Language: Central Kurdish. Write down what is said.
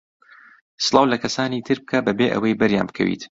سڵاو لە کەسانی تر بکە بەبێ ئەوەی بەریان بکەویت.